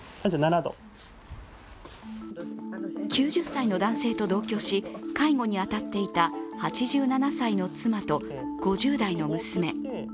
９０歳の男性と同居し、介護に当たっていた８７歳の妻と５０代の娘。